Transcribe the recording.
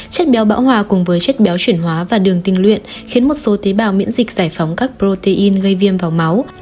chất béo bão hòa cùng với chất béo chuyển hóa và đường tình nguyện khiến một số tế bào miễn dịch giải phóng các protein gây viêm vào máu